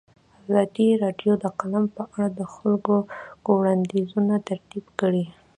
ازادي راډیو د اقلیم په اړه د خلکو وړاندیزونه ترتیب کړي.